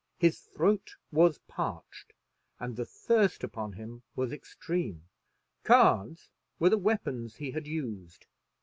His throat was parched, and the thirst upon him was extreme. Cards were the weapons he had used.